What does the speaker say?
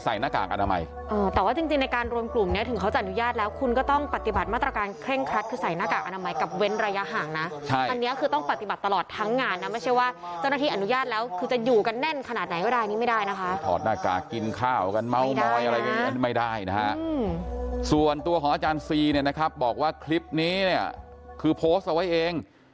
ส่วนตัวของอาจารย์ซีนะครับบอกว่าคลิปนี้คือโพสต์เอาไว้เอง